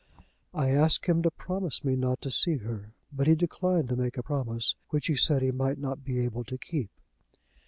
I asked him to promise me not to see her; but he declined to make a promise which he said he might not be able to keep."